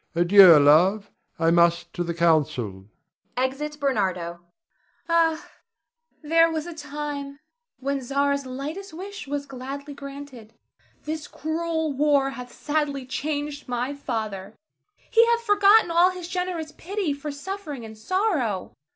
Adieu, love; I must to the council. [Exit Bernardo. Zara. Ah, there was a time when Zara's lightest wish was gladly granted. This cruel war hath sadly changed my father; he hath forgotten all his generous pity for suffering and sorrow.